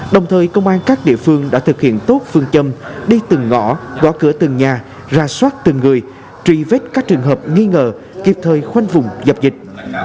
đồng thời công an các địa phương đã thực hiện tốt phương châm đi từng ngõ gõ cửa từng nhà ra soát từng người truy vết các trường hợp nghi ngờ kịp thời khoanh vùng dập dịch